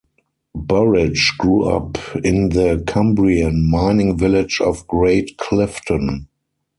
Burridge grew up in the Cumbrian mining village of Great Clifton.